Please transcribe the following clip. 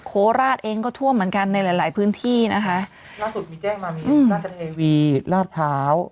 โคราชเองก็ท่วมเหมือนกันในหลายหลายพื้นที่นะคะล่าสุดมีแจ้งมามีราชเทวีราชพร้าว